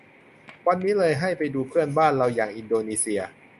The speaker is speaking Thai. วันนี้เลยให้ไปดูเพื่อนบ้านเราอย่างอินโดนีเซีย